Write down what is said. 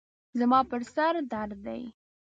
زما پر سر درد دی.